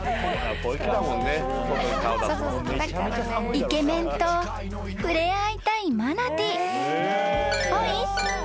［イケメンと触れ合いたいマナティー］